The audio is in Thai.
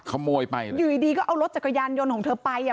ขโมยไปนะอยู่ดีดีก็เอารถจักรยานยนต์ของเธอไปอ่ะ